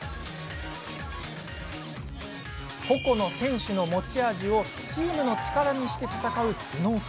個々の選手の持ち味をチームの力にして戦う頭脳戦。